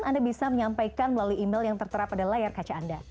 anda bisa menyampaikan melalui email yang tertera pada layar kaca anda